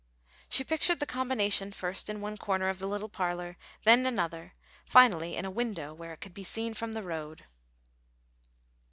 She pictured the combination first in one corner of the little parlor, then another, finally in a window where it could be seen, from the road.